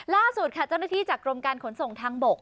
ล่าสุดค่ะเจ้าหน้าที่จากกรมการขนส่งทางบก